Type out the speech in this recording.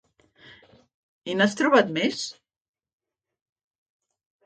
I n'has trobat més?